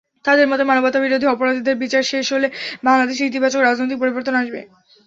তাদের মতে, মানবতাবিরোধী অপরাধীদের বিচার শেষ হলে বাংলাদেশে ইতিবাচক রাজনৈতিক পরিবর্তন আসবে।